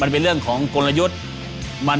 มันเป็นเรื่องของกลยุทธ์